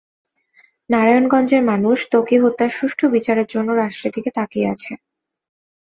নারায়ণগঞ্জের মানুষ ত্বকী হত্যার সুষ্ঠু বিচারের জন্য রাষ্ট্রের দিকে তাকিয়ে আছে।